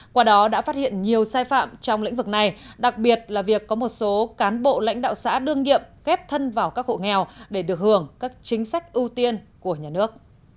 qua đó đã phát hiện nhiều sai phạm trong lĩnh vực này đặc biệt là việc có một số cán bộ lãnh đạo xã đương nhiệm ghép thân vào các hộ nghèo để được hưởng các chính sách ưu tiên của nhà nước